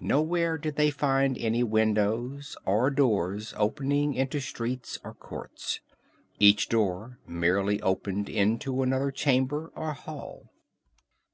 Nowhere did they find any windows, or doors opening into streets or courts. Each door merely opened into another chamber or hall.